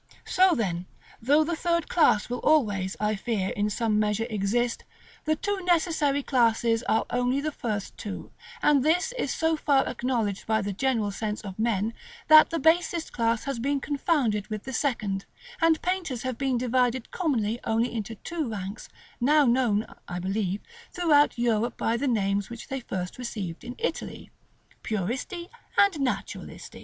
So then, though the third class will always, I fear, in some measure exist, the two necessary classes are only the first two; and this is so far acknowledged by the general sense of men, that the basest class has been confounded with the second; and painters have been divided commonly only into two ranks, now known, I believe, throughout Europe by the names which they first received in Italy, "Puristi and Naturalisti."